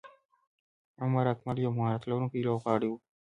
عمر اکمل یو مهارت لرونکی لوبغاړی وو.